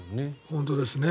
本当ですね。